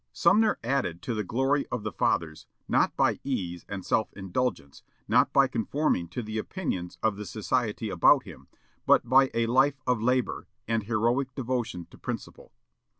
Sumner added to the "glory of the fathers," not by ease and self indulgence, not by conforming to the opinions of the society about him, but by a life of labor, and heroic devotion to principle.